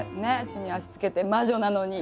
地に足つけて魔女なのに。